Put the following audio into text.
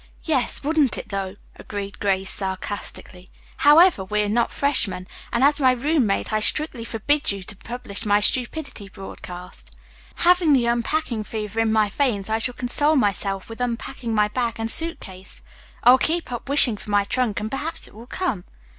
"Yes, wouldn't it though?" agreed Grace sarcastically. "However, we are not freshmen, and as my roommate I strictly forbid you to publish my stupidity broadcast. Having the unpacking fever in my veins, I shall console myself with unpacking my bag and suit case. I'll keep on wishing for my trunk and perhaps it will come."